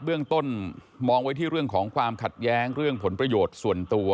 เบื้องต้นมองไว้ที่เรื่องของความขัดแย้งเรื่องผลประโยชน์ส่วนตัว